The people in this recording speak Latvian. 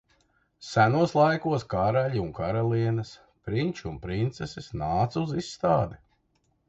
Senos laikos karaļi un karalienes, prinči un princeses nāca uz izstādi.